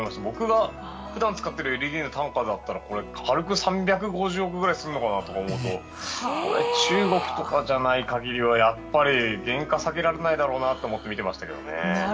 僕が普段使っているＬＥＤの単価だったらこれ、軽く３５０億ぐらいするのかなと思うと中国とかじゃない限りはやっぱり原価下げられないだろうなと思って、見ていましたけどね。